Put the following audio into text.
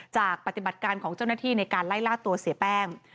ปฏิบัติการของเจ้าหน้าที่ในการไล่ล่าตัวเสียแป้ง